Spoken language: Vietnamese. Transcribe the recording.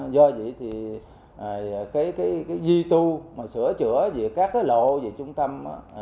do vậy thì cái duy tu mà sửa chữa về các cái lộ về trung tâm